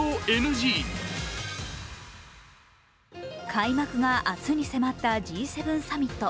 開幕が明日に迫ったＧ７サミット。